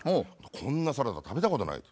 「こんなサラダ食べたことない」って。